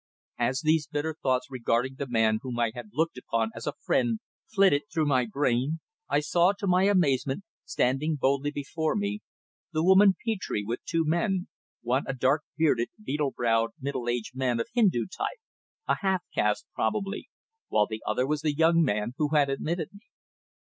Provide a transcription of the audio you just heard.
As these bitter thoughts regarding the man whom I had looked upon as a friend flitted through my brain, I saw to my amazement, standing boldly before me, the woman Petre with two men, one a dark bearded, beetle browed, middle aged man of Hindu type a half caste probably while the other was the young man who had admitted me.